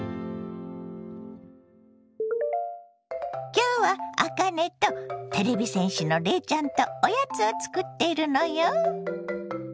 今日はあかねとてれび戦士のレイちゃんとおやつを作っているのよ。